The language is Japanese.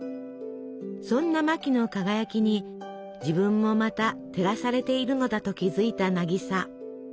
そんなマキの輝きに自分もまた照らされているのだと気付いた渚。